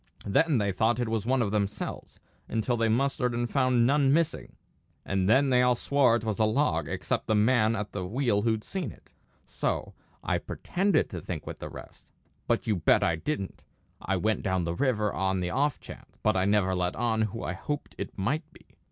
Then they thought it was one of themselves, until they mustered and found none missing; and then they all swore it was a log, except the man at the wheel who'd seen it; so I pretended to think with the rest but you bet I didn't! I went down the river on the off chance, but I never let on who I hoped it might be.